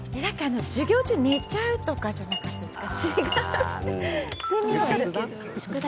授業中寝ちゃうとかじゃないですか。